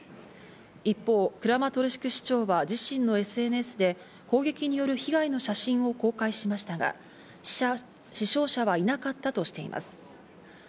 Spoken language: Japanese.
一方、クラマトルシク市長は自身のＳＮＳで攻撃による被害の写真を公開しましたが、死傷者がいなかったとしています。